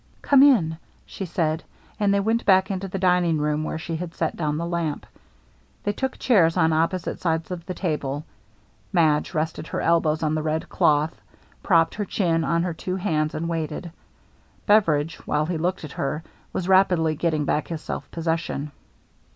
" Come in," she said. And they went back into the dining room, where she had set down the lamp. They took chairs on opposite sides of the table. Madge rested her elbows on the red cloth, propped her chin on her two hands, and waited. Beveridge, while he looked at her, was rapidly getting back his self possession.